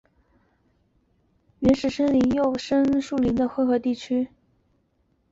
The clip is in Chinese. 北方斑点鸮主要栖息在古老原始林及原始和幼生树林的混合地区。